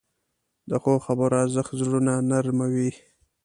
د ښو خبرو ارزښت زړونه نرموې.